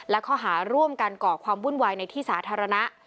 และข้อหาร่วมกันก่อความวุ่นวายในที่สาธารณะ